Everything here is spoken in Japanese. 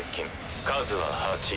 数は８。